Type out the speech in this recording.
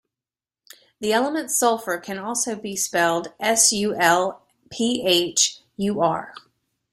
The element sulfur can also be spelled sulphur